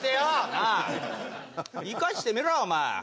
なあ言い返してみろお前。